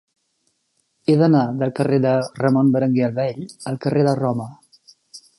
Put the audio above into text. He d'anar del carrer de Ramon Berenguer el Vell al carrer de Roma.